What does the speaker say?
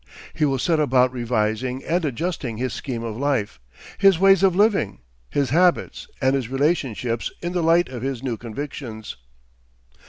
He will set about revising and adjusting his scheme of life, his ways of living, his habits and his relationships in the light of his new convictions.